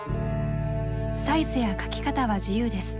サイズや描き方は自由です。